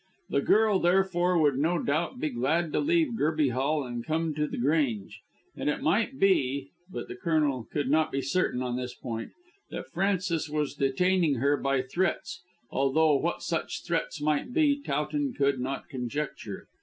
The girl, therefore, would no doubt be glad to leave Gerby Hall and come to The Grange; and it might be but the Colonel could not be certain on this point that Frances was detaining her by threats, although what such threats might be Towton could not conjecture.